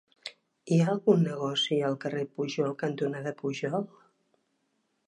Hi ha algun negoci al carrer Pujol cantonada Pujol?